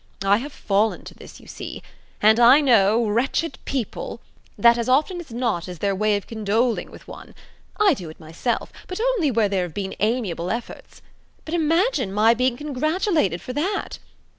I have fallen to this, you see! And I know, wretched people! that as often as not it is their way of condoling with one. I do it myself: but only where there have been amiable efforts. But imagine my being congratulated for that!